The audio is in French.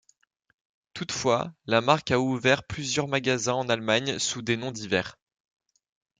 Toutefois, la marque a ouvert plusieurs magasins en Allemagne sous des noms divers.